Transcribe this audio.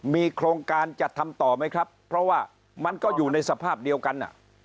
มีโครงการจะทำต่อไหมครับเพราะว่ามันก็อยู่ในสภาพเดียวกัน